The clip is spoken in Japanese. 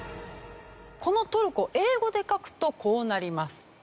このトルコ英語で書くとこうなります。